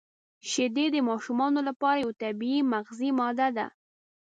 • شیدې د ماشومانو لپاره یو طبیعي مغذي ماده ده.